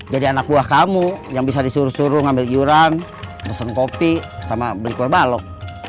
jadi anak buah kamu yang bisa disuruh suruh ngambil jurang ngesen kopi sama beli kue balok